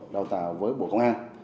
đào tạo với bộ công an